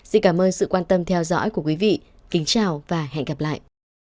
xin cảm ơn sự quan tâm theo dõi của quý vị kính chào và hẹn gặp lại